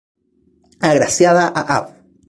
Agraciada a Av.